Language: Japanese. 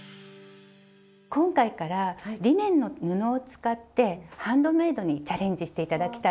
今回からリネンの布を使ってハンドメイドにチャレンジして頂きたいと思います。